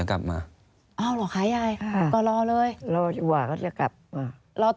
อันดับ๖๓๕จัดใช้วิจิตร